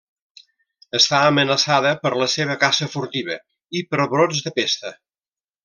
Està amenaçada per la seva caça furtiva i per brots de pesta.